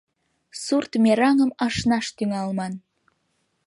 Сурт мераҥым ашнаш тӱҥалман.